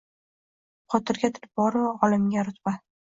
Botirga – tulporu, olimga – rutba.